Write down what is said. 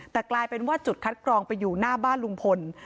แต่กลายเป็นว่าจุดคัดกรองไปอยู่หน้าบ้านลุงพล